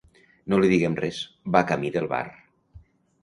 No li diguem res, va camí del bar...